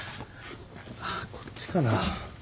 こっちかな。